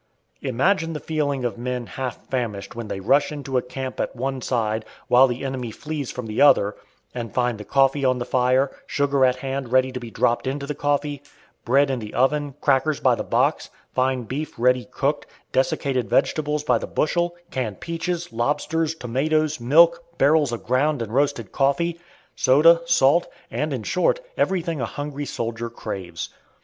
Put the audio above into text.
Imagine the feelings of men half famished when they rush into a camp at one side, while the enemy flees from the other, and find the coffee on the fire, sugar at hand ready to be dropped into the coffee, bread in the oven, crackers by the box, fine beef ready cooked, desiccated vegetables by the bushel, canned peaches, lobsters, tomatoes, milk, barrels of ground and roasted coffee, soda, salt, and in short everything a hungry soldier craves.